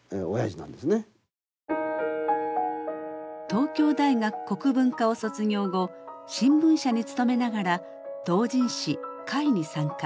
東京大学国文科を卒業後新聞社に勤めながら同人誌「櫂」に参加。